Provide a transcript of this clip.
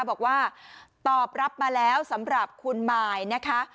บอกว่าตอบรับมาแล้วสำหรับคุณมายนะคะ